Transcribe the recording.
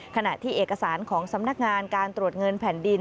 ขณะที่เอกสารของสำนักงานการตรวจเงินแผ่นดิน